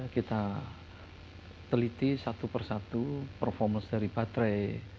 kita teliti satu persatu performance dari baterai